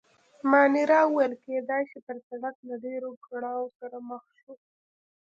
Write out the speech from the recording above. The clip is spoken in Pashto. مانیرا وویل: کېدای شي، پر سړک له ډېرو کړاوو سره مخ شو.